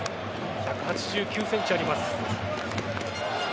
１８９ｃｍあります。